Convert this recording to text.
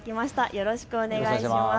よろしくお願いします。